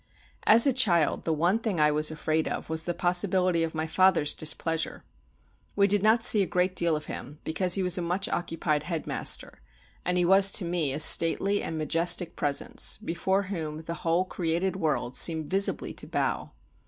As a child the one thing I was afraid of was the possibility of my father's displeasure. We did not see a great deal of him, because he was a much occupied headmaster; and he was to me a stately and majestic presence, before whom the whole created world seemed visibly to bow.